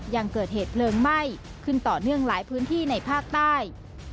ยังเกิดเหตุเพลิงไหม้ขึ้นต่อเนื่องหลายพื้นที่ในภาคใต้